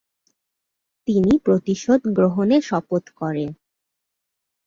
তিনি প্রতিশোধ গ্রহণের শপথ করেন।